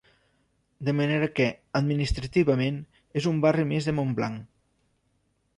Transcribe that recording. De manera que, administrativament, és un barri més de Montblanc.